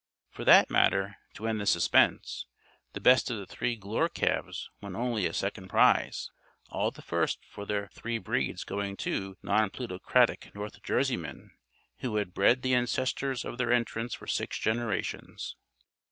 For that matter, to end the suspense, the best of the three Glure calves won only a second prize, all the first for their three breeds going to two nonplutocratic North Jerseymen who had bred the ancestors of their entrants for six generations.